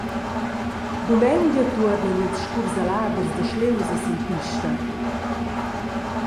Dumengia tuornan ils scursaladers da sliusa sin pista.